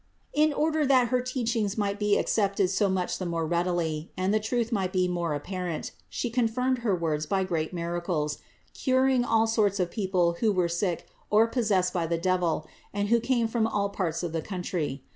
In order that her teachings might be accepted so much the more readily, and the truth might be more apparent, She confirmed her THE INCARNATION 571 words by great miracles, curing all sorts of people who were sick or possessed by the devil and who came from all parts of the country.